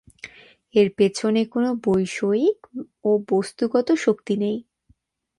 এর পেছনে কোন বৈষয়িক ও বস্তুগত শক্তি নেই।